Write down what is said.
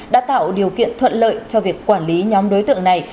đã tạo điều kiện thuận lợi cho việc quản lý nhóm đối tượng này